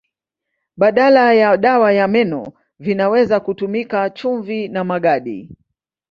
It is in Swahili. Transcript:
Badala ya dawa ya meno vinaweza kutumika chumvi na magadi.